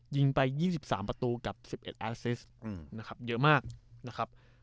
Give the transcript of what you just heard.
ยิงไป๒๓ประตูกับ๑๑แอสซิสนะครับเยอะมากนะครับ